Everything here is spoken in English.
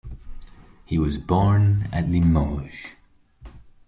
He was born at Limoges.